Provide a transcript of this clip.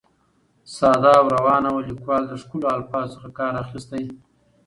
ساده او روانه وه، ليکوال د ښکلو الفاظو څخه کار اخیستى.